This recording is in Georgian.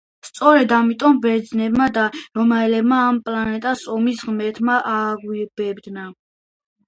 სწორედ ამიტომ, ბერძნები და რომაელები ამ პლანეტას ომის ღმერთთან აიგივებდნენ.